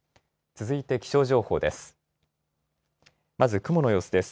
続いて気象情報です。